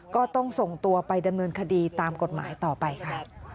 ก็ต้องส่งตัวไปดำเนินคดีตามกฎหมายต่อไปค่ะ